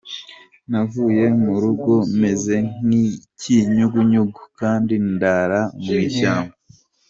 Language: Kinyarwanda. Navuye mu rugo meze nk’ikinyugunyugu, kandi ndara mu ishyamba.